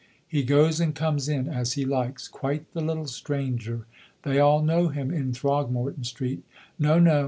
He goes and comes in as he likes quite the Little Stranger. They all know him in Throgmorton Street. No, no.